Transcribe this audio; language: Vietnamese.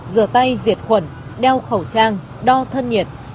rửa tay diệt khuẩn đeo khẩu trang đo thân nhiệt